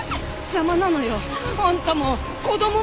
邪魔なのよあんたも子供も！